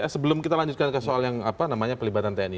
sebelum kita lanjutkan ke soal yang apa namanya pelibatan tni